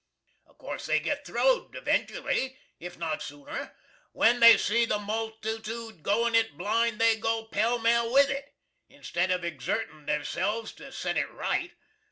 Of course they git throwed eventooally, if not sooner. When they see the multitood goin it blind they go Pel Mel with it, instid of exerting theirselves to set it right.